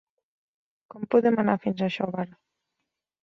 Com podem anar fins a Xóvar?